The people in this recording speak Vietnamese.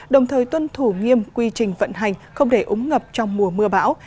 đồng thời tuân thủ nghiêm quy trình vận hành không để ống ngập trong mùa mưa bão